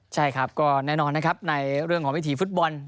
ใช่ครับก็แน่นอนนะครับในเรื่องของวิถีฟุตบอล